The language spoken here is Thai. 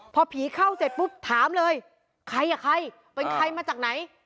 พอผีเข้าเสร็จปุ๊บถามเลยใครอ่ะใครเป็นใครมาจากไหน